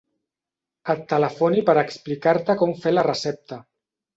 Et telefoni per explicar-te com fer la recepta.